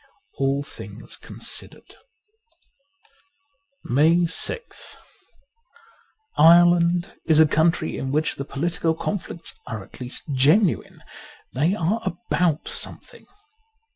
' All Things Considered.^ 137 MAY 6th IRELAND is a country in which the political conflicts are at least genuine : they are about something.